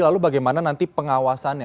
lalu bagaimana nanti pengawasannya